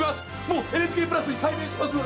もうＮＨＫプラスに改名します！